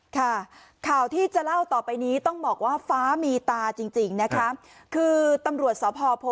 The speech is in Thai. ค่ะข่าวที่จะเล่าต่อไปนี้ต้องบอกว่าฟ้ามีตาจริงนะคะคือตำรวจสพโพ